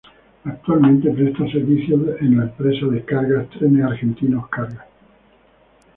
Actualmente, presta servicios de la empresa de cargas Trenes Argentinos Cargas.